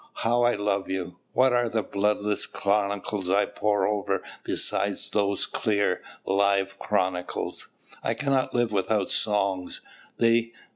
How I love you. What are the bloodless chronicles I pore over beside those clear, live chronicles! I cannot live without songs; they...